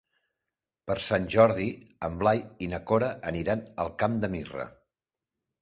Per Sant Jordi en Blai i na Cora aniran al Camp de Mirra.